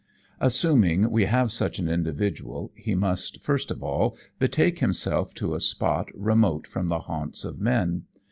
Assuming we have such an individual he must, first of all, betake himself to a spot remote from the haunts of men.